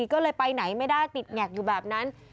ก็เลยไปไหนไม่ได้ติดแงกอยู่แบบนั้น